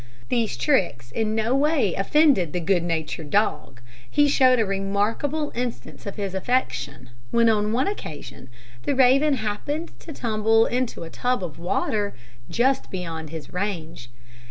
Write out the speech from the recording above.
These tricks in no way offended the good natured dog. He showed a remarkable instance of his affection, when on one occasion the raven happened to tumble into a tub of water, just beyond his range.